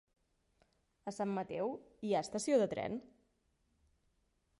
A Sant Mateu hi ha estació de tren?